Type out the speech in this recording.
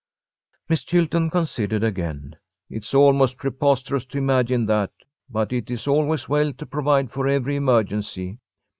Miss Chilton considered again. "It's almost preposterous to imagine that, but it is always well to provide for every emergency.